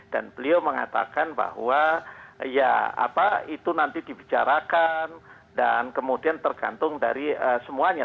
dan beliau mengatakan bahwa ya apa itu nanti dibicarakan dan kemudian tergantung dari semuanya